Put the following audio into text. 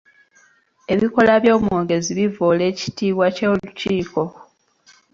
Ebikolwa by'omwogezi bivvoola ekitiibwa ky'olukiiko.